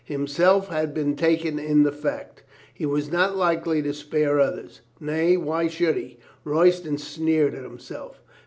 Himself had been taken in the fact. He was not likely to spare others. Nay, why should he? Royston sneered at himself.